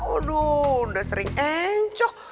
aduh udah sering encok